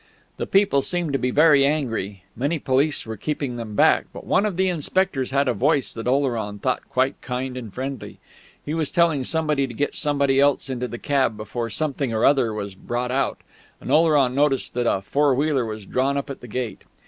The people seemed to be very angry; many police were keeping them back; but one of the inspectors had a voice that Oleron thought quite kind and friendly. He was telling somebody to get somebody else into the cab before something or other was brought out; and Oleron noticed that a four wheeler was drawn up at the gate.